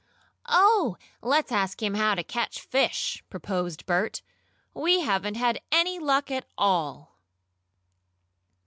"Oh, let's ask him how to catch fish!" proposed Bert. "We haven't had any luck at all!"